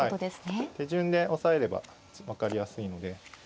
手順で押さえれば分かりやすいので。